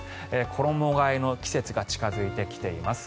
衣替えの季節が近付いてきています。